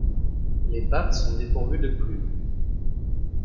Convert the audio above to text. Les pattes sont dépourvues de plumes.